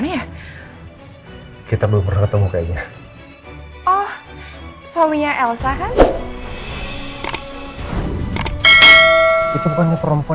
oh ya kita belum pernah ketemu kayaknya oh suaminya elsa kan itu banyak perempuan